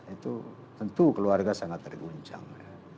itu tentu keluarga sangat terguncang